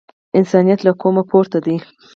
انسانیت له قوم پورته دی.